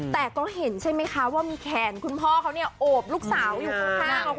แต่ก็เห็นใช่ไหมคะว่ามีแขนคุณพ่อเขาเนี่ยโอบลูกสาวอยู่ข้าง